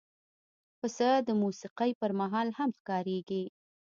پسه د موسیقۍ پر مهال هم ښکارېږي.